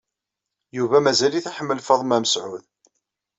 Yuba mazal-it iḥemmel Faḍma Mesɛud.